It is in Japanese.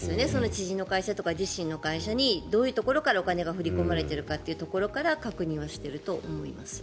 知人の会社とか自身の会社にどういう流れからお金が振り込まれているかというところから確認はしていると思います。